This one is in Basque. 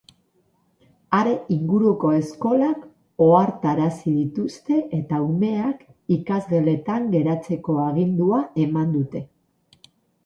Are, inguruko eskolak ohartarazi dituzte eta umeak ikasgeletan geratzeko agindua eman dute.